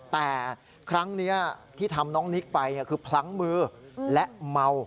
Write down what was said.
แต่ครั้งนี้ที่ทำน้องนิกไปคือพลั้งมือและเมา